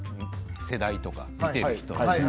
世代とか見ている人が。